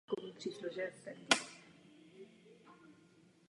Jedním z pozitivních efektů tohoto principu je nižší cena diskové kapacity.